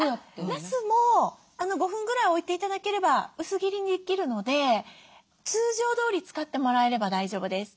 なすも５分ぐらい置いて頂ければ薄切りにできるので通常どおり使ってもらえれば大丈夫です。